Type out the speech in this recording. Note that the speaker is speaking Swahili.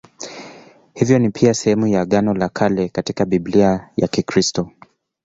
Hivyo ni pia sehemu ya Agano la Kale katika Biblia ya Kikristo.